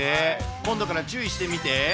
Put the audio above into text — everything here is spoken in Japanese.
今度から注意してみて。